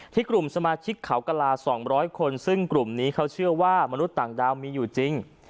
กลุ่มสมาชิกเขากระลา๒๐๐คนซึ่งกลุ่มนี้เขาเชื่อว่ามนุษย์ต่างดาวมีอยู่จริง